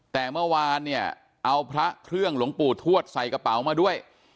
แต่เมื่อวานเนี่ยเอาพระเครื่องหลวงปู่ทวดใส่กระเป๋ามาด้วย